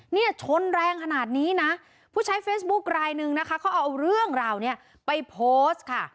เนี่ยชนแรงขนาดนี้นะผู้ใช้เฟซบุ๊คลายหนึ่งนะคะเขาเอาเรื่องราวเนี้ยไปโพสต์ค่ะ